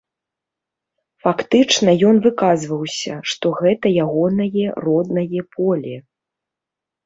Фактычна ён выказваўся, што гэта ягонае роднае поле.